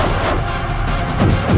aku akan terus memburumu